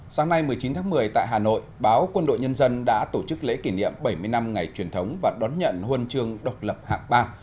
sáng nay một mươi chín tháng một mươi tại hà nội báo quân đội nhân dân đã tổ chức lễ kỷ niệm bảy mươi năm ngày truyền thống và đón nhận huân chương độc lập hạng ba